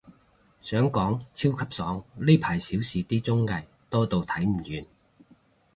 想講，超級爽，呢排少時啲綜藝，多到睇唔完